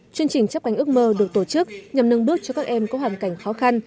chương trình chấp cánh ước mơ được tổ chức nhằm nâng bước cho các em có hoàn cảnh khó khăn